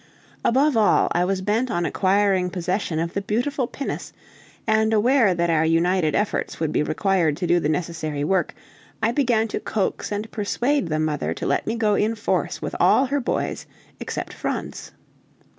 Above all, I was bent on acquiring possession of the beautiful pinnace, and aware that our united efforts would be required to do the necessary work, I began to coax and persuade the mother to let me go in force with all her boys except Franz.